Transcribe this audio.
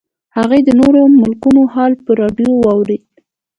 هغې د نورو ملکونو حال په راډیو اورېده